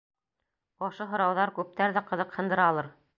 Ошо һорауҙар күптәрҙе ҡыҙыҡһындыралыр.